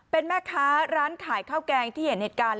เป็นแม่ค้าร้านขายข้าวแกงที่เห็นเหตุการณ์